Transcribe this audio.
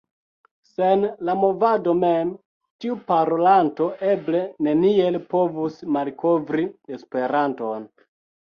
Sen la Movado mem tiu parolanto eble neniel povus malkovri Esperanton.